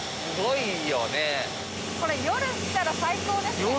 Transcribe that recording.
これ夜来たら最高ですね。